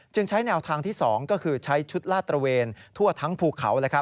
ใช้แนวทางที่๒ก็คือใช้ชุดลาดตระเวนทั่วทั้งภูเขา